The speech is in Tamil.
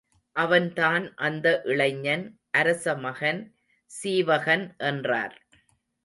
அவன்தான் அந்த இளைஞன், அரச மகன் சீவகன் என்றார்.